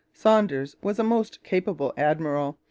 Saunders was a most capable admiral.